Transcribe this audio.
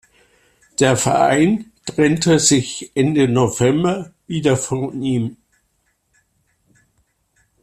Der Verein trennte sich Ende November wieder von ihm.